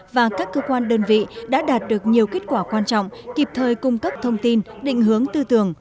và các cơ quan đơn vị đã đạt được nhiều kết quả quan trọng kịp thời cung cấp thông tin định hướng tư tưởng